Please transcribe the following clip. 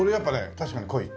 確かに濃い。